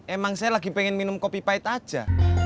emang saya lagi pengen minum kopi pahit aja